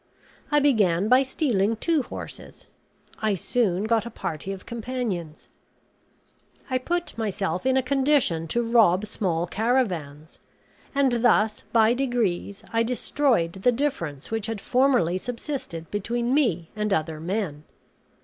I began by stealing two horses; I soon got a party of companions; I put myself in a condition to rob small caravans; and thus, by degrees, I destroyed the difference which had formerly subsisted between me and other men.